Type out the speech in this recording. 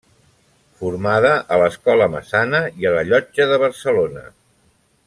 Formada a l’Escola Massana i a la Llotja de Barcelona.